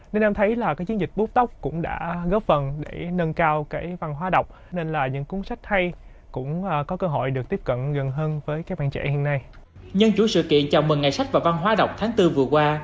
nhân chủ sự kiện chào mừng ngày sách và văn hóa đọc tháng bốn vừa qua